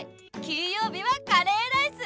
金曜日はカレーライス！